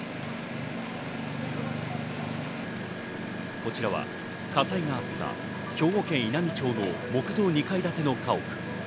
こちらは火災があった兵庫県稲美町の木造２階建ての家屋。